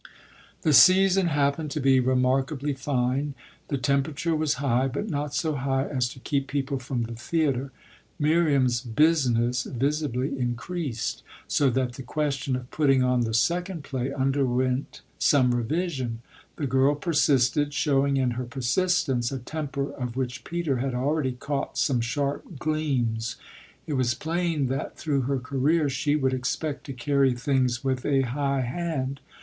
The season happened to be remarkably fine; the temperature was high, but not so high as to keep people from the theatre. Miriam's "business" visibly increased, so that the question of putting on the second play underwent some revision. The girl persisted, showing in her persistence a temper of which Peter had already caught some sharp gleams. It was plain that through her career she would expect to carry things with a high hand.